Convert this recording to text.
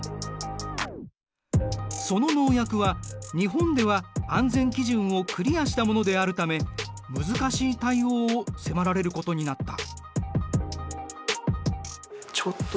その農薬は日本では安全基準をクリアしたものであるため難しい対応を迫られることになった。